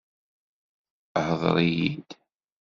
Ḥeḍr iyid!